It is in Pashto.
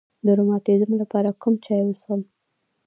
د روماتیزم لپاره کوم چای وڅښم؟